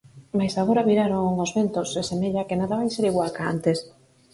Mais agora viraron os ventos e semella que nada vai ser igual ca antes.